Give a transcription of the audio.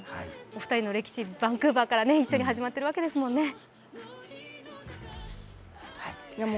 お二人の歴史、バンクーバーから始まってるわけですもんね。